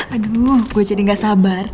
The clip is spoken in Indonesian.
aduh gue jadi gak sabar